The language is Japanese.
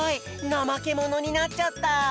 ナマケモノになっちゃった！